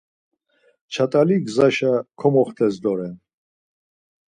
Ç̌atali gzaşa komoxtes doren.